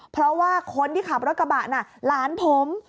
เพราะว่าคนที่ขับรถกระบะน่ะหลานผม